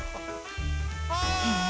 へえ。